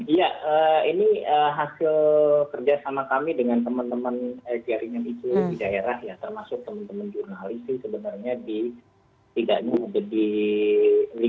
iya ini hasil kerjasama kami dengan teman teman lcrn itu di daerah ya termasuk teman teman jurnalist sebenarnya di tiga jadi lima